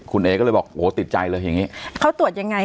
คุณเอก็เลยบอกโหติดใจเลยอย่างนี้เขาตรวจยังไง